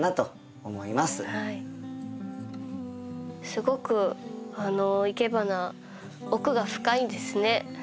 すごくいけばな奥が深いんですね。